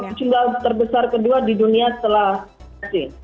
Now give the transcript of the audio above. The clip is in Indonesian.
ini juga terbesar kedua di dunia setelah ini